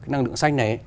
năng lượng xanh này